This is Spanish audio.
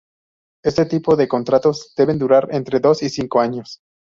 Este tipo de contratos deben durar entre dos y cinco años.